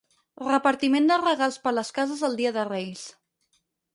Repartiment de regals per les cases el dia de Reis.